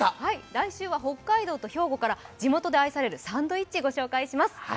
来週は北海道と兵庫から地元で愛されるサンドイッチご紹介します。